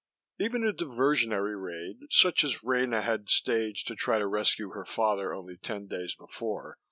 Even a diversionary raid such as Rena had staged to try to rescue her father only ten days before!